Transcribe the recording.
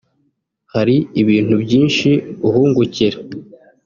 hari ibintu byinshi uhungukira